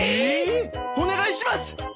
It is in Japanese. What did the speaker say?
お願いします！